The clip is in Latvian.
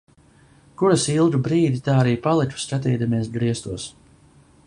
Kur es ilgu brīdi tā arī paliku, skatīdamies griestos.